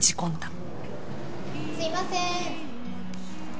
すいません